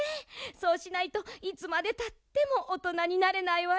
そうしないといつまでたってもおとなになれないわよ。